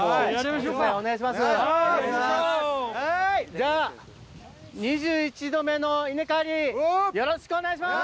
・じゃあ２１度目の稲刈りよろしくお願いします！